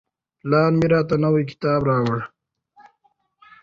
پلار مې راته نوی کتاب راوړ.